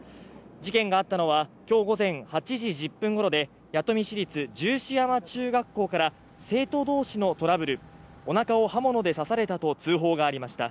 事件があったのは今日午前８時１０分ごろで弥富市立十四山中学校から生徒同士のトラブル、おなかを刃物で刺されたと通報がありました。